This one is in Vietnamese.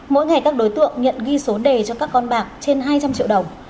mỗi ngày các đối tượng nhận ghi số đề cho các con bạc trên hai trăm linh triệu đồng